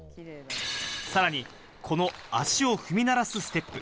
さらにこの足を踏み鳴らすステップ。